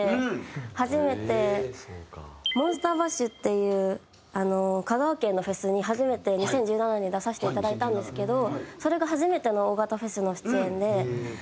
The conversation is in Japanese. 初めて「ＭＯＮＳＴＥＲｂａＳＨ」っていう香川県のフェスに初めて２０１７年に出させていただいたんですけどそれが初めての大型フェスの出演で。